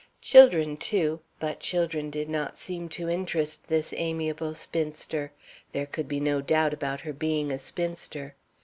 Children, too but children did not seem to interest this amiable spinster. (There could be no doubt about her being a spinster.)